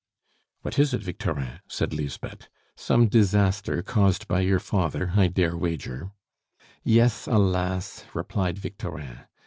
"What is it, Victorin?" said Lisbeth. "Some disaster caused by your father, I dare wager." "Yes, alas!" replied Victorin.